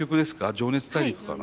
「情熱大陸」かな？